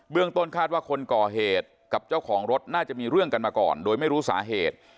ต้นคาดว่าคนก่อเหตุกับเจ้าของรถน่าจะมีเรื่องกันมาก่อนโดยไม่รู้สาเหตุ